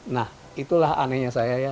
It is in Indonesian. nah itulah anehnya saya ya